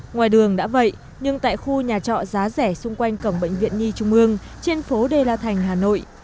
ngoài đường đã vậy nhưng tại khu nhà trọ giá rẻ xung quanh cổng bệnh viện nhi trung ương trên phố đê la thành hà nội